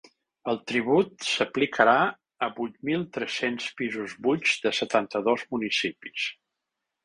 El tribut s’aplicarà a vuit mil tres-cents pisos buits de setanta-dos municipis.